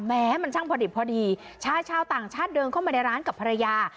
แม้มันช่างพอดิบพอดีชายชาวต่างชาติเดินเข้ามาในร้านกับภรรยา